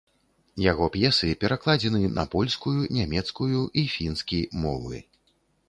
Яго п'есы перакладзены на польскую, нямецкую і фінскі мовы.